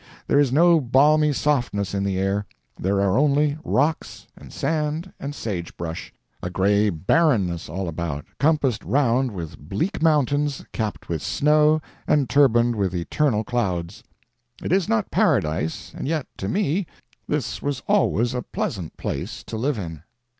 There is no balmy softness in the air. There are only rocks, and sand, and sagebrush—a gray barrenness all about, compassed round with bleak mountains, capped with snow and turbaned with eternal clouds. It is not Paradise, and yet, to me, this was always a pleasant place to live in.